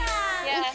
いつ？